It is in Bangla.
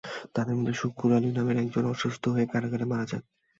তাঁদের মধ্যে শুক্কুর আলী নামের একজন অসুস্থ হয়ে কারাগারে মারা যান।